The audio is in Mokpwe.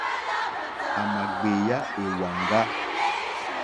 À mà gbèyá èwàŋgá.